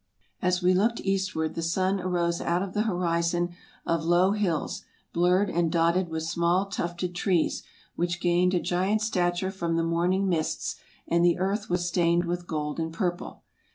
" As we looked eastward, the sun arose out of the horizon of low hills, blurred and dotted with small tufted trees, which gained a giant stature from the morning mists, and the earth was stained with gold and purple.